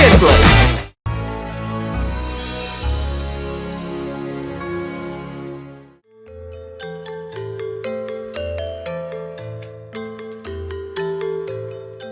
mau ngapain lu